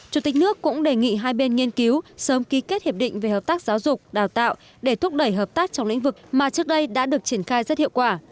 chủ tịch nước cũng đề nghị hai bên nghiên cứu sớm ký kết hiệp định về hợp tác giáo dục đào tạo để thúc đẩy hợp tác trong lĩnh vực mà trước đây đã được triển khai rất hiệu quả